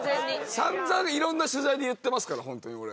散々色んな取材で言ってますからホントにこれ。